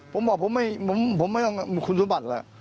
ผมบอกผมไม่ต้องคุณสมบัติแล้ว